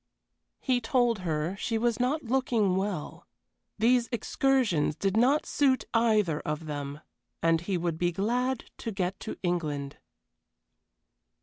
He told her she was not looking well. These excursions did not suit either of them, and he would be glad to get to England.